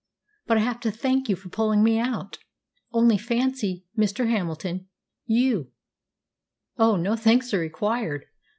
But I have to thank you for pulling me out. Only fancy, Mr. Hamilton you!" "Oh, no thanks are required!